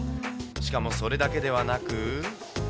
しかもそれだけではなく。